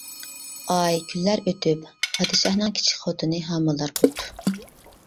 ئاي، كۈنلەر ئۆتۈپ، پادىشاھنىڭ كىچىك خوتۇنى ھامىلىدار بوپتۇ.